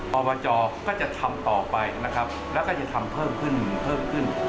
อบจก็จะทำต่อไปนะครับแล้วก็จะทำเพิ่มขึ้นเพิ่มขึ้น